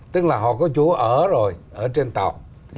tức là họ có chỗ ở rồi ở trên tàu